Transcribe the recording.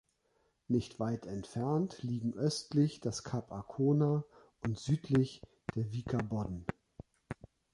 Nicht weit entfernt liegen östlich das Kap Arkona und südlich der Wieker Bodden.